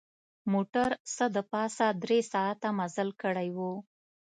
موټر څه د پاسه درې ساعته مزل کړی و.